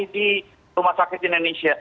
mas fikri di indonesia